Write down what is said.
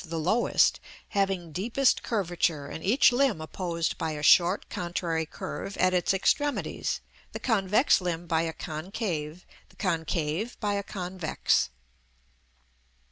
_, the lowest, having deepest curvature, and each limb opposed by a short contrary curve at its extremities, the convex limb by a concave, the concave by a convex.